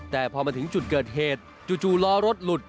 แต่พอมาถึงจุดเกิดเหตุจู่ล้อรถหลุด